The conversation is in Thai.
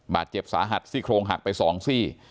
บาดเจ็บสาหัสซี่โครงหักไป๒ซี่